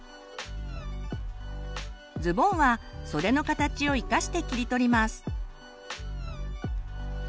ズボンは袖の形を生かして切り取ります。